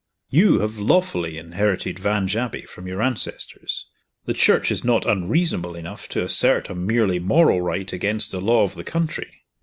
You have lawfully inherited Vange Abbey from your ancestors. The Church is not unreasonable enough to assert a merely moral right against the law of the country.